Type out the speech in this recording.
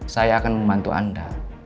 saya akan membantu anda